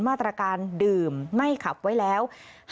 มาตรการดื่มไม่ขับไว้แล้ว